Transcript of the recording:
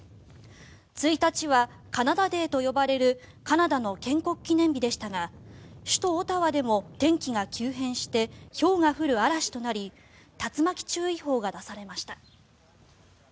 １日はカナダ・デーと呼ばれるカナダの建国記念日でしたが首都オタワでも天気が急変してひょうが降る嵐となり竜巻注意報が出されました。